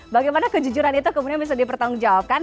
bagaimana kejujuran itu kemudian bisa dipertanggungjawabkan